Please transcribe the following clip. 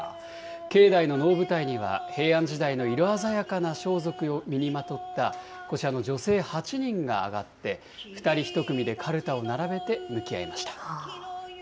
境内の能舞台には、平安時代の色鮮やかな装束を身にまとった、こちらの女性８人が上がって、２人１組でかるたを並べて向き合いました。